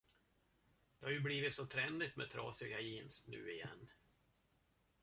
Det har ju blivit så trendigt med trasiga jeans nu igen.